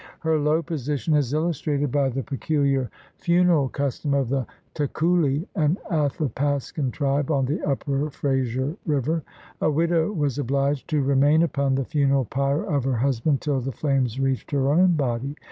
Her low position is illustrated by the pecuHar iuneral custom of the Takulli, an Athapascan tribe on the Upper Frazer River. A widow was obliged to remain upon the funeral pyre of her husband till the flames reached her own body.